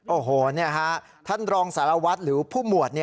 โอ้โหนี่ฮะท่านรองสารวัตรหรือผู้หมวด